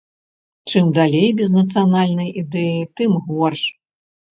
Чым далей без нацыянальнай ідэі, тым горш.